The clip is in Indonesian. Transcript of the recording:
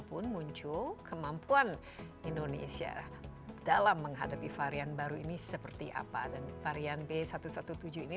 pun muncul kemampuan indonesia dalam menghadapi varian baru ini seperti apa dan varian b satu satu tujuh ini